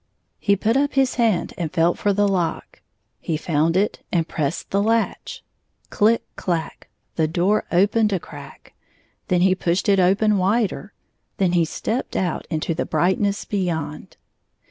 7+ He put up his hand and felt for the lock. He found it and pressed the latch. Click clack ! the door opened a crack. Then he pushed it open wider. Then he stepped out into the brightness beyond.